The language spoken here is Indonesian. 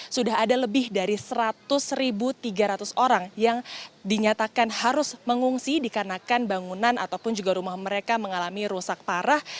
sudah ada lebih dari seratus tiga ratus orang yang dinyatakan harus mengungsi dikarenakan bangunan ataupun juga rumah mereka mengalami rusak parah